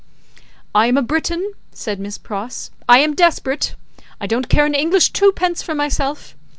"I am a Briton," said Miss Pross, "I am desperate. I don't care an English Twopence for myself.